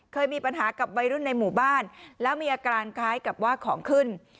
เคยมีปัญหากับวัยรุ่นในหมู่บ้านแล้วมีอาการคล้ายกับว่าของขึ้น